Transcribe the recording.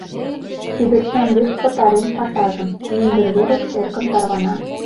Кӱдырчан йӱр, пытарен пашажым, Мӱндыр верыш эркын тарвана.